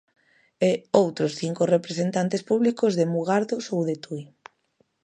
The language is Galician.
E outros cinco representantes públicos de Mugardos ou de Tui.